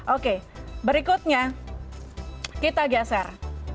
oke berikutnya kita geser